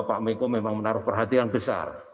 bapak menko memang menaruh perhatian besar